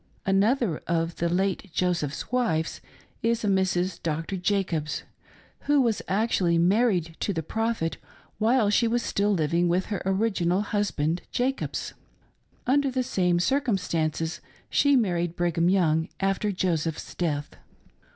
Another of the late Joseph's wives is a Mrs. Doctor Jacobs, who was actually married to the Prophet while she was still living with her original husband, Jacobs. Under the same circumstances she married Brigham Young, after Joseph's death.